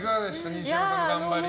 西山さんの頑張り。